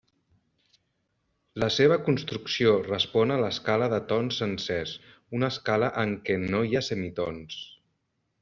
La seva construcció respon a l'escala de tons sencers, una escala en què no hi ha semitons.